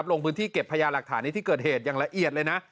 ลงพื้นที่เก็บพยาหลักฐานในที่เกิดเหตุอย่างละเอียดเลยนะ